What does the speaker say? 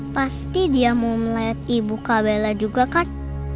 pasti dia mau melihat ibu kabella juga kan